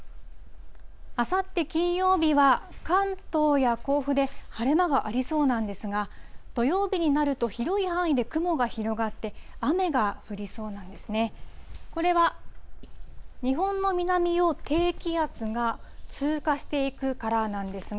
あさって金曜日は、関東や甲府で晴れ間がありそうなんですが、土曜日になると広い範囲で雲が広がって、雨が降りそうなんですね。